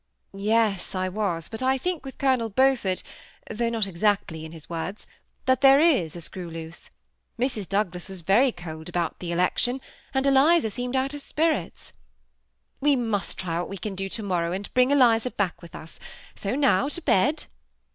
^Yes, I was; bot I think with Colonel Beaafort, tfaoni^ not exactly in his words, that there is a screw loose. Mrs. Douglas was very cold about the ejec tion, and Eliza seemed oat of spirits." ^ We most try what we can do UMnorrow, and bring Eliza back with us; so now to bed."